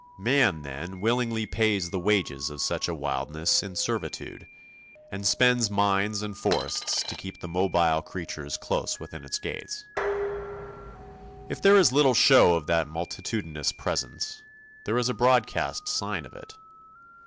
Man, then, willingly pays the wages of such a wildness in servitude, and spends mines and forests to keep the mobile creature close within his gates. [Illustration: Rain, Smoke and Traffic.] If there is little show of that multitudinous presence, there is a broadcast sign of it.